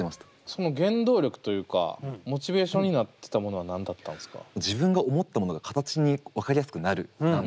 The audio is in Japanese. その原動力というかモチベーションになってたものは何だったんですか？